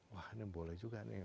wah ini boleh juga nih